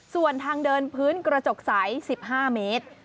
ส่วนทางเดินพื้นกระจกใส๑๕เมตร